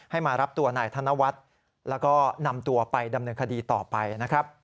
มารับตัวนายธนวัฒน์แล้วก็นำตัวไปดำเนินคดีต่อไปนะครับ